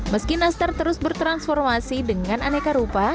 meski naster terus bertransformasi dengan aneka rupa